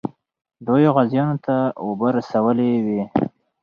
دوی غازیانو ته اوبه رسولې وې.